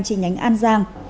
chi nhánh an giang